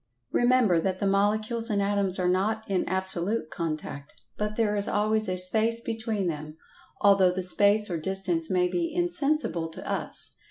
Remember, that the Molecules and Atoms are not in absolute contact, but there is always a "space" between them, although the space or distance may be "insensible" to us.